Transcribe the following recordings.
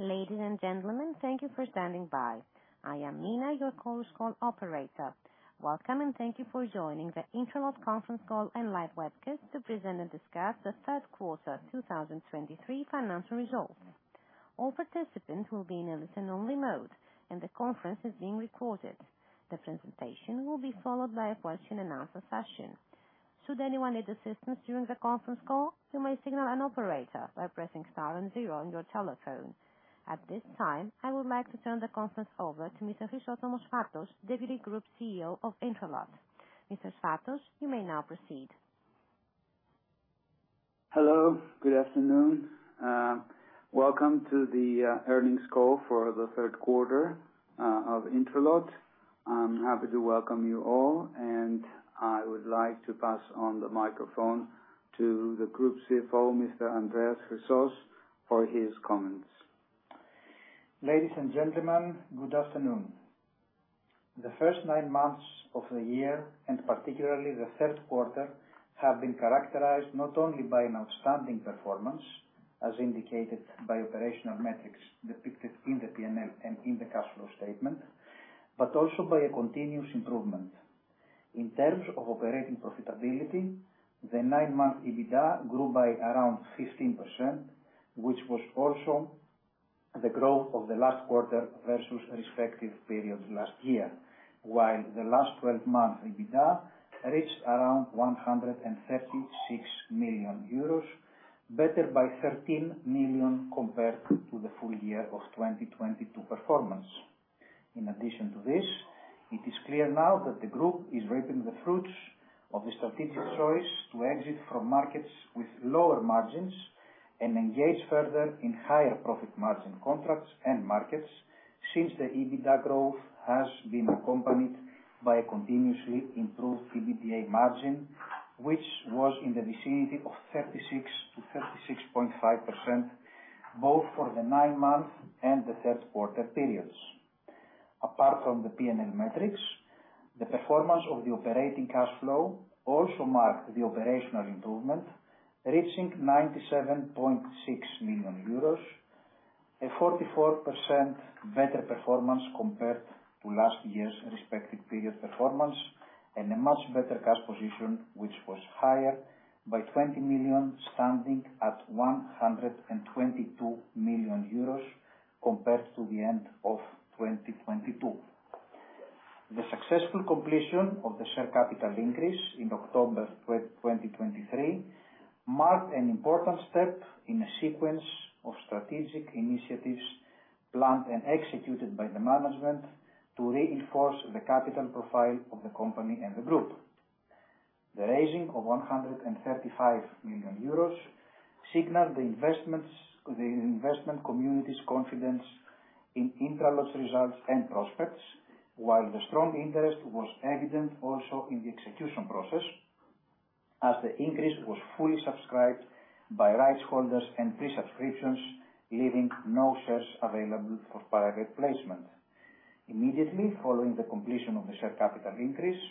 Ladies and gentlemen, thank you for standing by. I am Nina, your conference call operator. Welcome, and thank you for joining the Intralot conference call and live webcast to present and discuss the third quarter 2023 financial results. All participants will be in a listen only mode, and the conference is being recorded. The presentation will be followed by a question and answer session. Should anyone need assistance during the conference call, you may signal an operator by pressing star and zero on your telephone. At this time, I would like to turn the conference over to Mr. Chrysostomos Sfatos, Deputy Group CEO of Intralot. Mr. Sfatos, you may now proceed. Hello, good afternoon. Welcome to the earnings call for the third quarter of Intralot. I'm happy to welcome you all, and I would like to pass on the microphone to the Group CFO, Mr. Andreas Chrysos, for his comments. Ladies and gentlemen, good afternoon. The first nine months of the year, and particularly the third quarter, have been characterized not only by an outstanding performance, as indicated by operational metrics depicted in the P&L and in the cash flow statement, but also by a continuous improvement. In terms of operating profitability, the nine-month EBITDA grew by around 15%, which was also the growth of the last quarter versus respective periods last year, while the last 12 months EBITDA reached around 136 million euros, better by 13 million compared to the full year of 2022 performance. In addition to this, it is clear now that the group is reaping the fruits of the strategic choice to exit from markets with lower margins and engage further in higher profit margin contracts and markets. Since the EBITDA growth has been accompanied by a continuously improved EBITDA margin, which was in the vicinity of 36%-36.5%, both for the nine months and the third quarter periods. Apart from the P&L metrics, the performance of the operating cash flow also marked the operational improvement, reaching 97.6 million euros, a 44% better performance compared to last year's respective period performance, and a much better cash position, which was higher by 20 million, standing at 122 million euros compared to the end of 2022. The successful completion of the share capital increase in October 2023 marked an important step in a sequence of strategic initiatives planned and executed by the management to reinforce the capital profile of the company and the group. The raising of 135 million euros signaled the investments, the investment community's confidence in Intralot's results and prospects, while the strong interest was evident also in the execution process, as the increase was fully subscribed by rights holders and pre-subscriptions, leaving no shares available for private placement. Immediately following the completion of the share capital increase,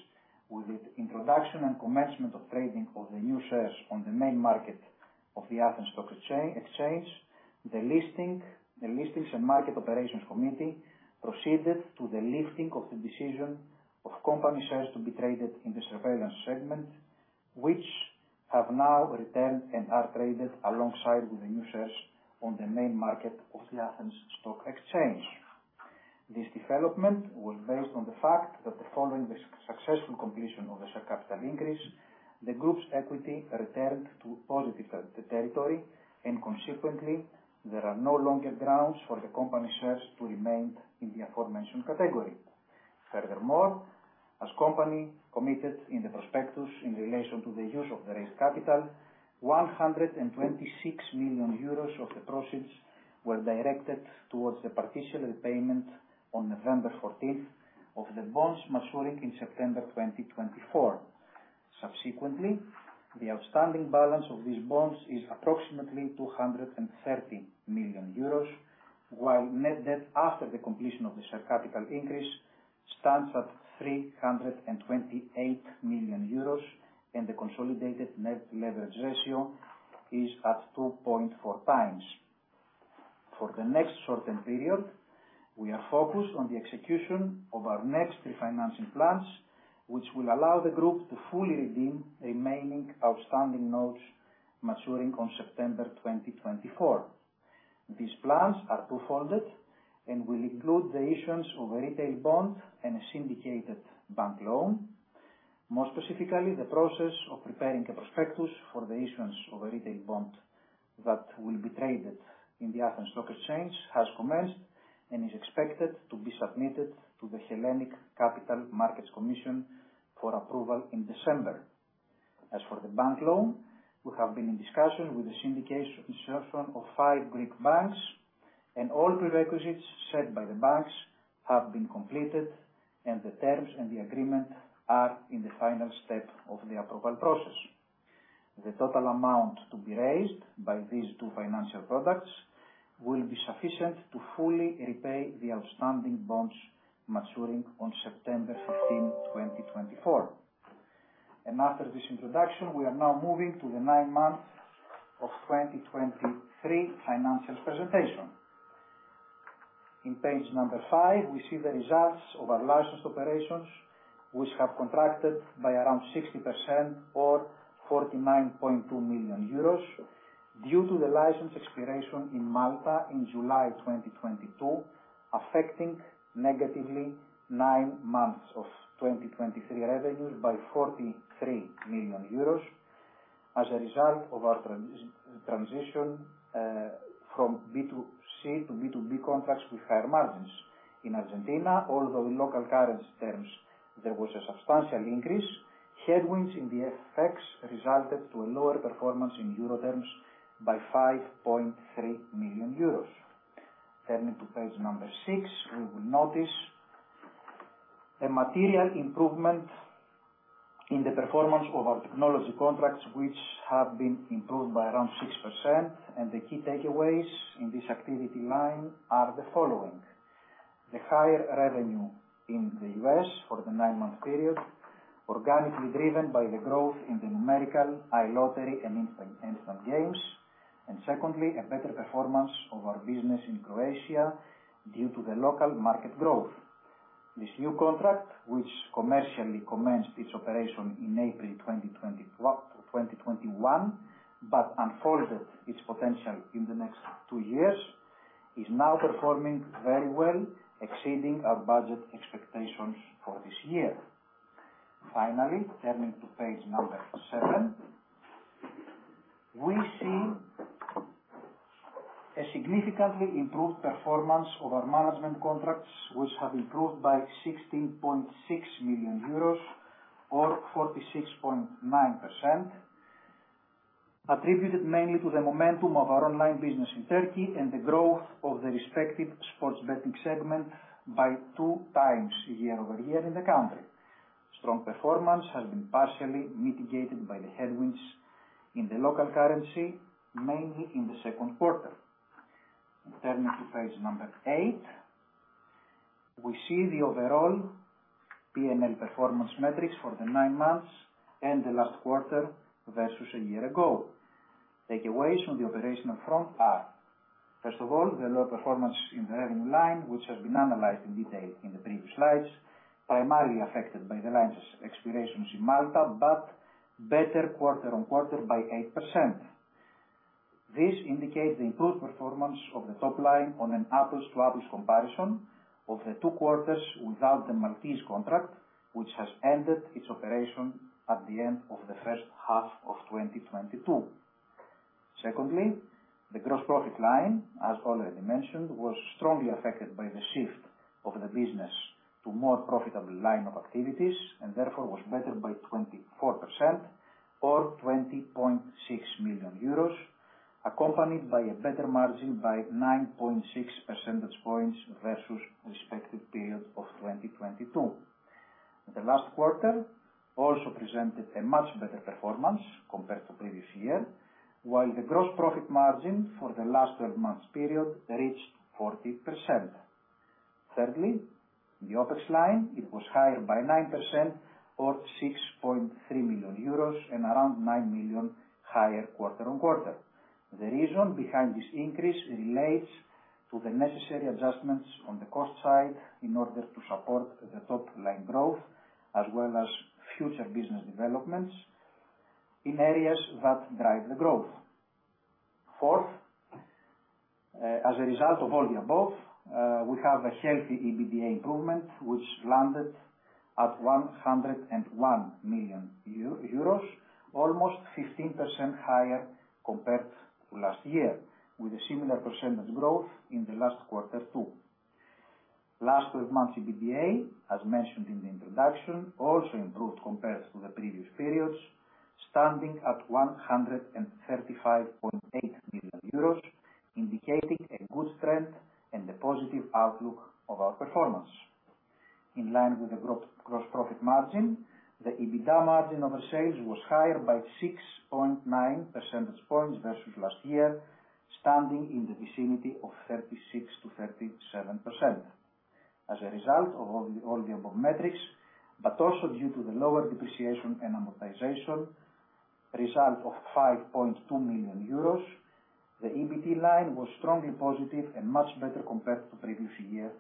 with the introduction and commencement of trading of the new shares on the main market of the Athens Stock Exchange, the listing, the Listings and Market Operations Committee proceeded to the lifting of the decision of company shares to be traded in the Surveillance Segment, which have now returned and are traded alongside with the new shares on the main market of the Athens Stock Exchange. This development was based on the fact that following the successful completion of the share capital increase, the group's equity returned to positive territory, and consequently, there are no longer grounds for the company shares to remain in the aforementioned category. Furthermore, as the company committed in the prospectus in relation to the use of the raised capital, 126 million euros of the proceeds were directed towards the partial repayment on November fourteenth of the bonds maturing in September 2024. Subsequently, the outstanding balance of these bonds is approximately 230 million euros, while net debt after the completion of the share capital increase stands at 328 million euros, and the consolidated net leverage ratio is at 2.4x. For the next shortened period, we are focused on the execution of our next refinancing plans, which will allow the group to fully redeem remaining outstanding notes maturing on September 2024. These plans are twofolded and will include the issuance of a retail bond and a syndicated bank loan. More specifically, the process of preparing a prospectus for the issuance of a retail bond that will be traded in the Athens Stock Exchange has commenced and is expected to be submitted to the Hellenic Capital Markets Commission for approval in December. As for the bank loan, we have been in discussion with the syndication consortium of five Greek banks, and all prerequisites set by the banks have been completed, and the terms and the agreement are in the final step of the approval process. The total amount to be raised by these two financial products will be sufficient to fully repay the outstanding bonds maturing on September 15, 2024. After this introduction, we are now moving to the nine months of 2023 financials presentation. On page number five, we see the results of our licensed operations, which have contracted by around 60% or 49.2 million euros due to the license expiration in Malta in July 2022, affecting negatively nine months of 2023 revenues by 43 million euros. As a result of our transition from B2C to B2B contracts with higher margins. In Argentina, although in local currency terms there was a substantial increase, headwinds in the FX resulted to a lower performance in euro terms by 5.3 million euros. Turning to page number six, we will notice a material improvement in the performance of our technology contracts, which have been improved by around 6%, and the key takeaways in this activity line are the following: The higher revenue in the U.S. for the nine-month period, organically driven by the growth in the Numerical, iLottery, and Instant games, and secondly, a better performance of our business in Croatia due to the local market growth. This new contract, which commercially commenced its operation in April 2021, but unfolded its potential in the next two years, is now performing very well, exceeding our budget expectations for this year. Finally, turning to page seven, we see a significantly improved performance of our management contracts, which have improved by 16.6 million euros or 46.9%, attributed mainly to the momentum of our online business in Turkey and the growth of the respective sports betting segment by 2x year-over-year in the country. Strong performance has been partially mitigated by the headwinds in the local currency, mainly in the second quarter. Turning to page eight, we see the overall P&L performance metrics for the nine months and the last quarter versus a year ago. Takeaways from the operational front are, first of all, the lower performance in the revenue line, which has been analyzed in detail in the previous slides, primarily affected by the license expirations in Malta, but better quarter-on-quarter by 8%. This indicates the improved performance of the top line on an apples-to-apples comparison of the two quarters without the Maltese contract, which has ended its operation at the end of the first half of 2022. Secondly, the gross profit line, as already mentioned, was strongly affected by the shift of the business to more profitable line of activities, and therefore was better by 24% or 20.6 million euros, accompanied by a better margin by 9.6 percentage points versus respective period of 2022. The last quarter also presented a much better performance compared to previous year, while the gross profit margin for the last twelve months period reached 40%. Thirdly, the OpEx line, it was higher by 9% or 6.3 million euros and around 9 million higher quarter-on-quarter. The reason behind this increase relates to the necessary adjustments on the cost side in order to support the top line growth, as well as future business developments in areas that drive the growth. Fourth, as a result of all the above, we have a healthy EBITDA improvement, which landed at 101 million euros, almost 15% higher compared to last year, with a similar percentage growth in the last quarter, too. Last twelve months EBITDA, as mentioned in the introduction, also improved compared to the previous periods, standing at 135.8 million euros, indicating a good trend and a positive outlook of our performance. In line with the gross, gross profit margin, the EBITDA margin over sales was higher by 6.9 percentage points versus last year, standing in the vicinity of 36%-37%. As a result of all the above metrics, but also due to the lower depreciation and amortization result of 5.2 million euros, the EBT line was strongly positive and much better compared to previous year,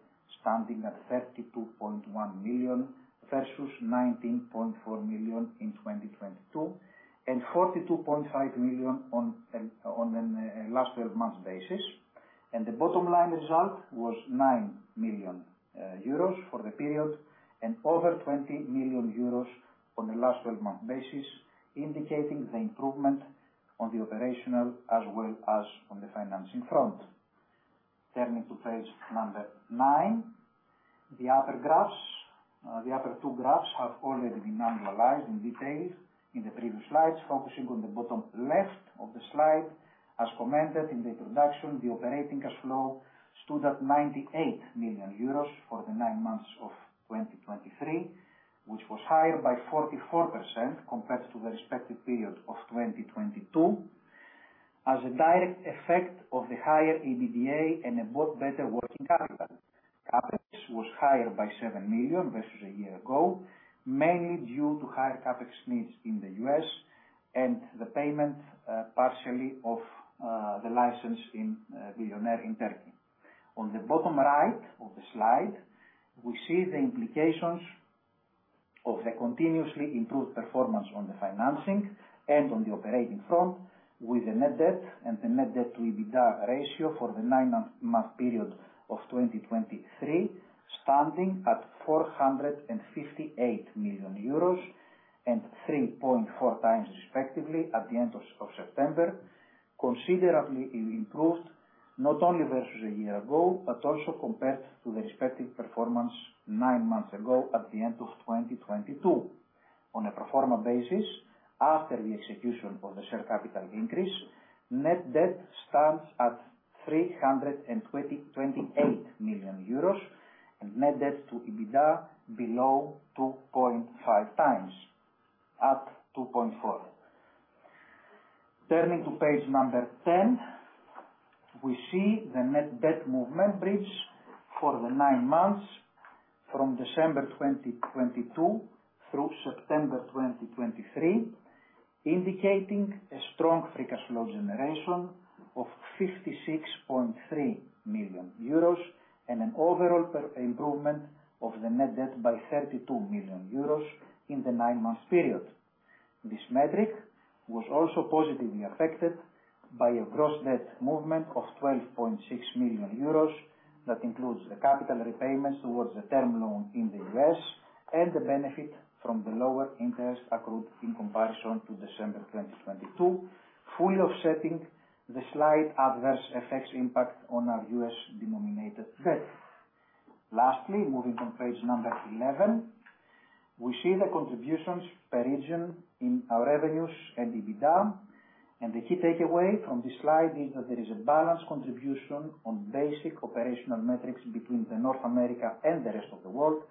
standing at 32.1 million versus 19.4 million in 2022, and 42.5 million on an last twelve months basis. The bottom line result was 9 million euros for the period and over 20 million euros on a last twelve-month basis, indicating the improvement on the operational as well as on the financing front. Turning to page number 9. The upper graphs, the upper two graphs have already been analyzed in detail in the previous slides. Focusing on the bottom left of the slide, as commented in the introduction, the operating cash flow stood at 98 million euros for the nine months of 2023, which was higher by 44% compared to the respective period of 2022... as a direct effect of the higher EBITDA and a more better working capital. CapEx was higher by 7 million versus a year ago, mainly due to higher CapEx needs in the U.S. and the payment partially of the license in Bilyoner in Turkey. On the bottom right of the slide, we see the implications of the continuously improved performance on the financing and on the operating front, with the net debt and the net debt to EBITDA ratio for the nine-month period of 2023, standing at 458 million euros and 3.4x respectively, at the end of September. Considerably improved, not only versus a year ago, but also compared to the respective performance nine months ago, at the end of 2022. On a pro forma basis, after the execution of the share capital increase, net debt stands at 328 million euros, and net debt to EBITDA below 2.5x, at 2.4. Turning to page 10, we see the net debt movement bridge for the nine months from December 2022 through September 2023, indicating a strong free cash flow generation of 56.3 million euros and an overall net improvement of the net debt by 32 million euros in the nine months period. This metric was also positively affected by a gross debt movement of 12.6 million euros. That includes the capital repayments towards the term loan in the U.S., and the benefit from the lower interest accrued in comparison to December 2022, fully offsetting the slight adverse effects impact on our U.S.-denominated debt. Lastly, moving from page number 11, we see the contributions per region in our revenues and EBITDA. The key takeaway from this slide is that there is a balanced contribution on basic operational metrics between the North America and the rest of the world.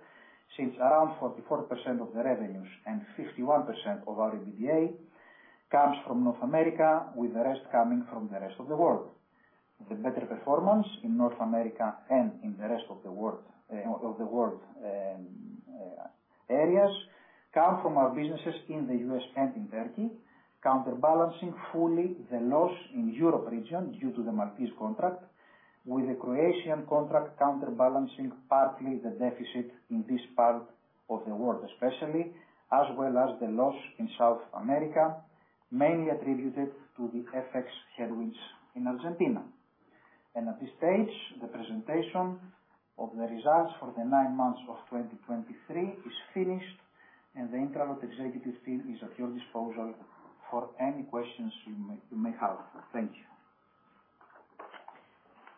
Since around 44% of the revenues and 51% of our EBITDA comes from North America, with the rest coming from the rest of the world. The better performance in North America and in the rest of the world, areas, come from our businesses in the U.S. and in Turkey, counterbalancing fully the loss in Europe region due to the Maltese contract, with the Croatian contract counterbalancing partly the deficit in this part of the world, especially, as well as the loss in South America, mainly attributed to the FX headwinds in Argentina. At this stage, the presentation of the results for the nine months of 2023 is finished, and the Intralot Executive Team is at your disposal for any questions you may, you may have. Thank you.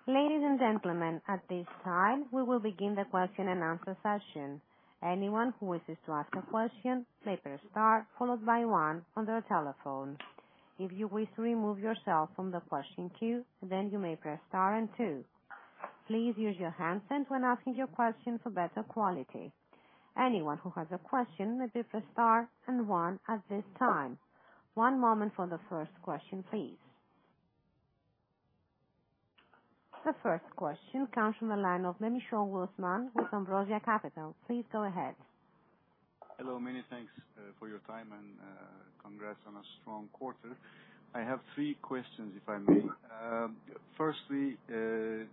Ladies and gentlemen, at this time, we will begin the question and answer session. Anyone who wishes to ask a question, may press star followed by one on their telephone. If you wish to remove yourself from the question queue, then you may press star and two. Please use your handset when asking your question for better quality. Anyone who has a question may press star and one at this time. One moment for the first question, please. The first question comes from the line of Manish Wolfman with Ambrosia Capital. Please go ahead. Hello, many thanks, for your time and, congrats on a strong quarter. I have three questions, if I may. Firstly, the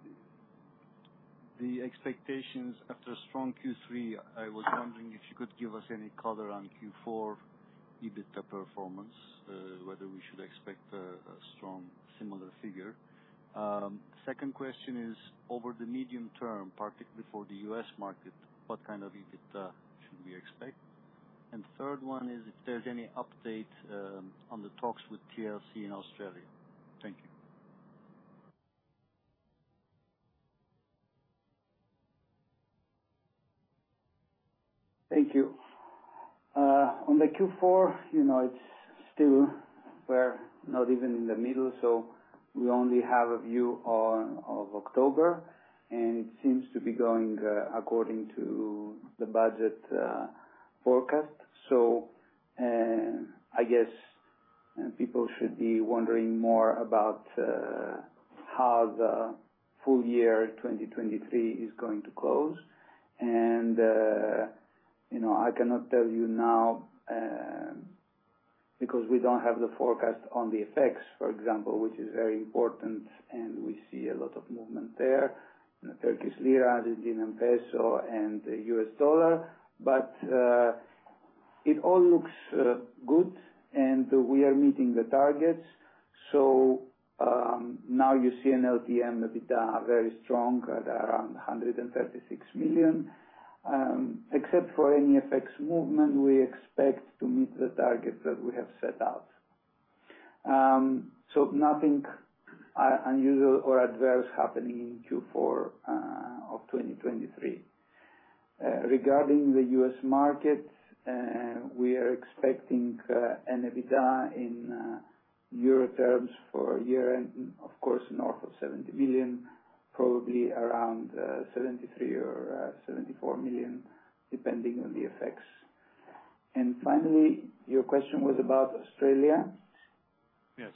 expectations after a strong Q3, I was wondering if you could give us any color on Q4 EBITDA performance, whether we should expect a, a strong, similar figure? Second question is, over the medium term, particularly for the U.S. market, what kind of EBITDA should we expect? And third one is if there's any update, on the talks with TLC in Australia. Thank you. Thank you. On the Q4, you know, it's still. We're not even in the middle, so we only have a view on October, and it seems to be going according to the budget forecast. So, I guess people should be wondering more about how the full year 2023 is going to close. And, you know, I cannot tell you now, because we don't have the forecast on the effects, for example, which is very important, and we see a lot of movement there. In the Turkish lira, Argentine peso, and the U.S. dollar. But, it all looks good, and we are meeting the targets. So, now you see an LTM EBITDA, very strong at around 136 million. Except for any FX movement, we expect to meet the target that we have set out. Nothing unusual or adverse happening in Q4 of 2023. Regarding the U.S. market, we are expecting an EBITDA in euro terms for a year, and of course, north of 70 million, probably around 73 million or 74 million, depending on the effects.... Finally, your question was about Australia? Yes.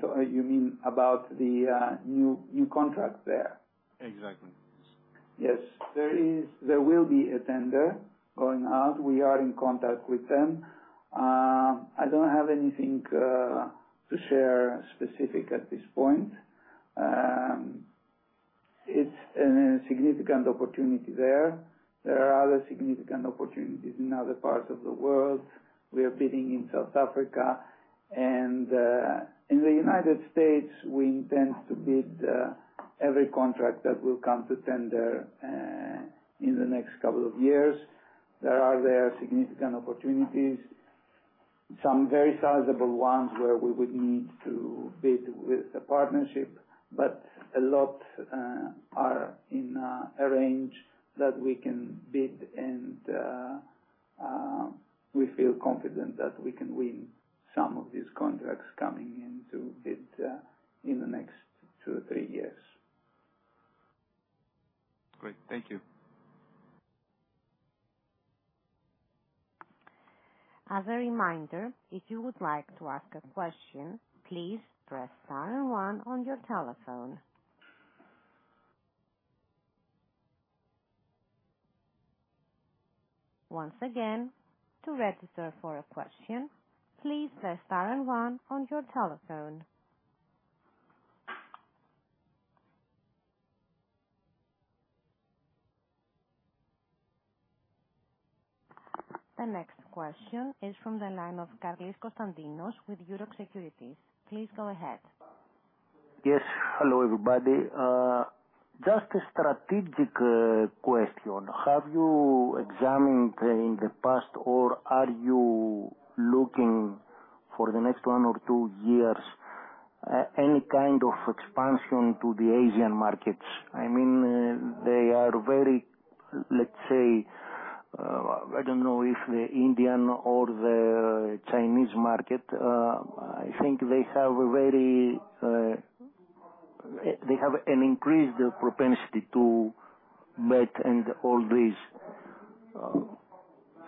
So you mean about the new contract there? Exactly. Yes, there will be a tender going out. We are in contact with them. I don't have anything to share specific at this point. It's a significant opportunity there. There are other significant opportunities in other parts of the world. We are bidding in South Africa, and in the United States, we intend to bid every contract that will come to tender in the next couple of years. There are significant opportunities, some very sizable ones, where we would need to bid with a partnership. But a lot are in a range that we can bid and we feel confident that we can win some of these contracts coming into bid in the next two or three years. Great. Thank you. As a reminder, if you would like to ask a question, please press star and one on your telephone. Once again, to register for a question, please press star and one on your telephone. The next question is from the line of Konstantinos Karlis with Eurobank Securities. Please go ahead. Yes. Hello, everybody. Just a strategic question. Have you examined in the past, or are you looking for the next one or two years, any kind of expansion to the Asian markets? I mean, they are very, let's say, I don't know if the Indian or the Chinese market, I think they have a very, they have an increased propensity to bet and all this.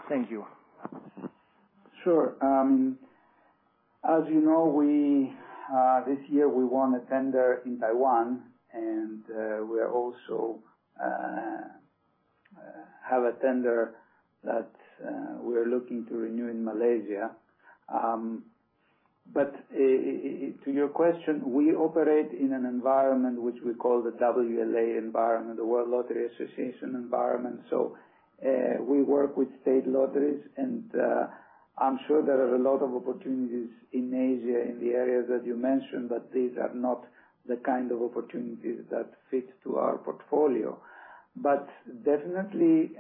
Thank you. Sure. As you know, we this year, we won a tender in Taiwan, and we are also have a tender that we are looking to renew in Malaysia. But to your question, we operate in an environment which we call the WLA environment, the World Lottery Association environment. So we work with state lotteries, and I'm sure there are a lot of opportunities in Asia, in the areas that you mentioned, but these are not the kind of opportunities that fit to our portfolio. But definitely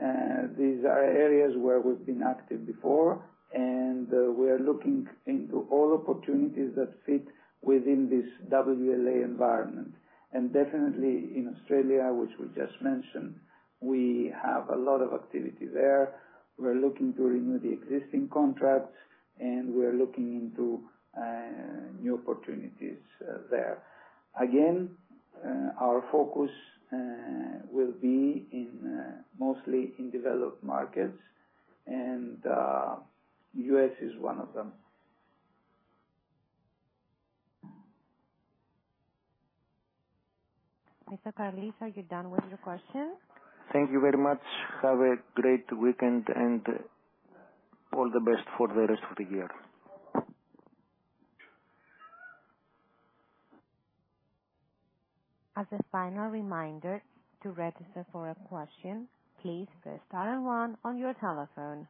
these are areas where we've been active before, and we are looking into all opportunities that fit within this WLA environment. And definitely, in Australia, which we just mentioned, we have a lot of activity there. We're looking to renew the existing contracts, and we are looking into new opportunities there. Again, our focus will be in mostly in developed markets, and U.S. is one of them. Mr. Karlis, are you done with your question? Thank you very much. Have a great weekend, and all the best for the rest of the year. As a final reminder, to register for a question, please press star and one on your telephone.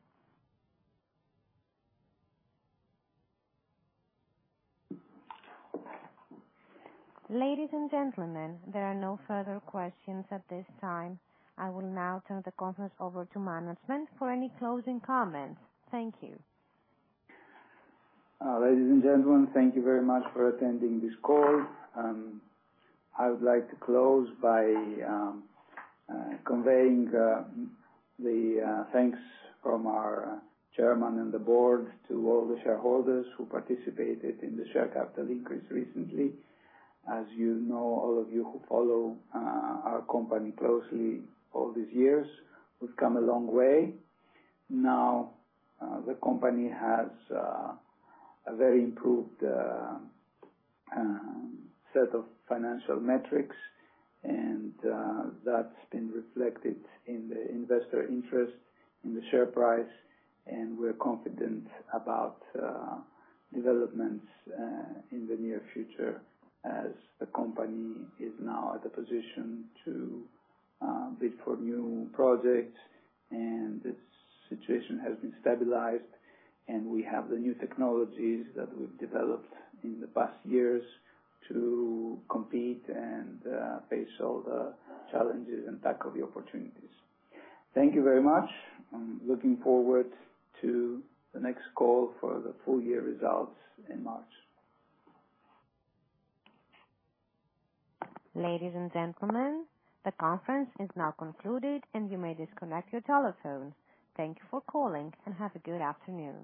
Ladies and gentlemen, there are no further questions at this time. I will now turn the conference over to management for any closing comments. Thank you. Ladies and gentlemen, thank you very much for attending this call. I would like to close by conveying the thanks from our chairman and the board to all the shareholders who participated in the share capital increase recently. As you know, all of you who follow our company closely, all these years, we've come a long way. Now, the company has a very improved set of financial metrics, and that's been reflected in the investor interest in the share price, and we're confident about developments in the near future, as the company is now at a position to bid for new projects. And the situation has been stabilized, and we have the new technologies that we've developed in the past years to compete and face all the challenges and tackle the opportunities. Thank you very much. I'm looking forward to the next call for the full year results in March. Ladies and gentlemen, the conference is now concluded, and you may disconnect your telephone. Thank you for calling, and have a good afternoon.